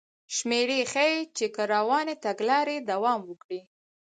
شمېرې ښيي چې که روانې تګلارې دوام وکړي